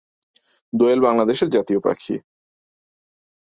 দোয়েল বাংলাদেশের জাতীয় পাখি।